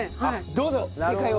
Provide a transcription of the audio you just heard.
どうぞ正解を。